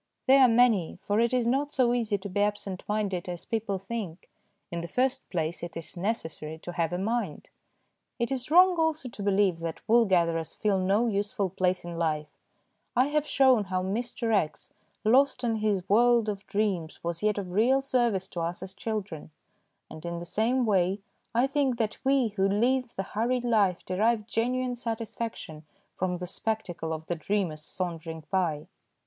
They are many, for it is not so easy to be absent minded as people think ; in the first place, it is necessary to have a mind. It is wrong also to believe that wool gatherers fill no useful place in life. I have shown how Mr. X., lost in his world of dreams, was yet of real service to us as children, and in the same way I think that we who live the hurried life derive genuine satisfaction from the spectacle of 204 THE DAY BEFORE YESTERDAY the dreamers sauntering by.